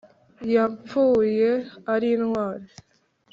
yapfuye ari intwari